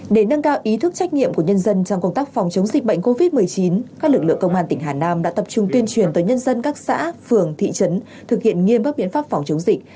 để nâng cao ý thức trách nhiệm của nhân dân trong công tác phòng chống dịch bệnh covid một mươi chín các lực lượng công an tỉnh hà nam đã tập trung tuyên truyền tới nhân dân các xã phường thị trấn thực hiện nghiêm các biện pháp phòng chống dịch